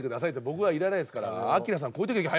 僕はいらないですから。